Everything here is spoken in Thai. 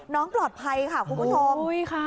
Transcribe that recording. น้องกลอดภัยค่ะคุณพุทธม